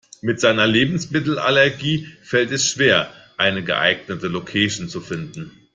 Mit seiner Lebensmittelallergie fällt es schwer, eine geeignete Location zu finden.